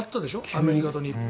アメリカと日本。